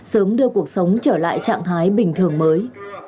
sớm đưa cuộc sống trở lại trạng thái bình thường mới